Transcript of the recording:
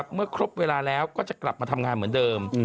เมื่อครบเวลาแล้วก็จะกลับมาทำงานเหมือนเดิม